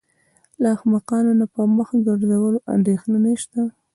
له احمقانو نه په مخ ګرځولو اندېښنه نشته.